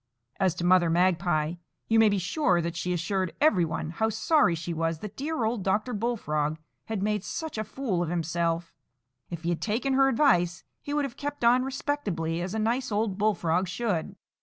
As to Mother Magpie, you may be sure that she assured every one how sorry she was that dear old Dr. Bullfrog had made such a fool of himself; if he had taken her advice, he would have kept on respectably as a nice old Bullfrog should.